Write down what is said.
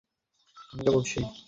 আমি যা বলছি, হয়তো সেটা আমারই কথা।